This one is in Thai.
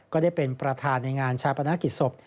ก็ได้เป็นประธานในงานชาปนกิจศพ